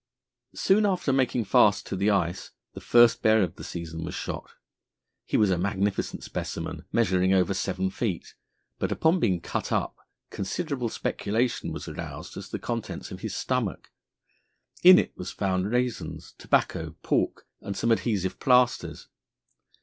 Soon after making fast to the ice, the first bear of the season was shot. He was a magnificent specimen, measuring over seven feet, but upon being cut up considerable speculation was roused as to the contents of his stomach. In it was found raisins, tobacco, pork, and some adhesive plasters.